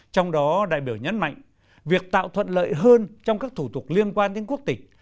trong đó đại biểu nhấn mạnh việc tạo thuận lợi hơn trong các thủ tục liên quan đến quốc tịch